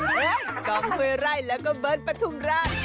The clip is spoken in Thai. เฮ้ยกองเฮวไรและกองเบิ้ลประทุมราช